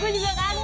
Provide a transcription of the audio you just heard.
gue juga kangen